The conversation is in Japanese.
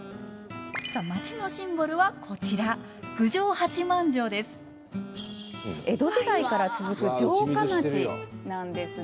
さあ町のシンボルはこちら江戸時代から続く城下町なんですね。